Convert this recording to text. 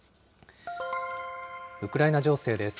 ウクライナ情勢です。